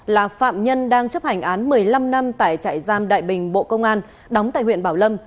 là phạm nhân đang chấp hành án một mươi năm năm tại trại giam đại bình bộ công an đóng tại huyện bảo lâm